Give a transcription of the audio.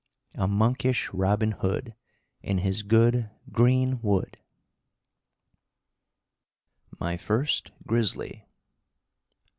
A monkish Robin Hood In his good green wood. III. MY FIRST GRIZZLY.